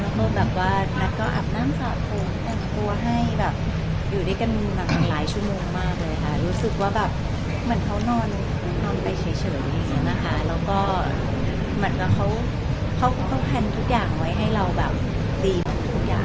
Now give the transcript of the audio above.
แล้วก็แบบว่านัทก็อาบน้ำสาดผมแต่งตัวให้แบบอยู่ด้วยกันแบบหลายชั่วโมงมากเลยค่ะรู้สึกว่าแบบเหมือนเขานอนนอนไปเฉยอย่างเงี้ยนะคะแล้วก็เหมือนแบบเขาก็ต้องแพลนทุกอย่างไว้ให้เราแบบตีแบบทุกอย่าง